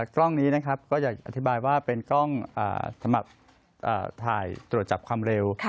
กล้องนี้นะครับก็อยากอธิบายว่าเป็นกล้องสำหรับถ่ายตรวจจับความเร็ว